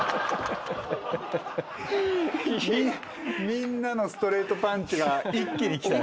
みんなのストレートパンチが一気にきた。